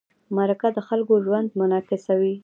مرکه د خلکو ژوند منعکسوي.